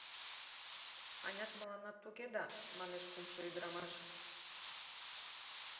— Анят, мыланна туге да, — манеш кумшо ӱдырамаш.